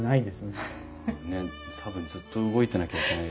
ねっ多分ずっと動いてなきゃいけない。